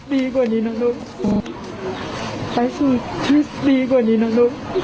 ดีกว่านี้น่ะลูกใครสูตรที่ดีกว่านี้น่ะลูก